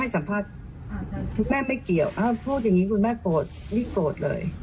แต่วันนี้ธนัยตั้มก็ไปออกรายการโหนกระแสของพี่หนุ่มกัญชัย